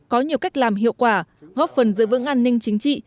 có nhiều cách làm hiệu quả góp phần giữ vững an ninh chính trị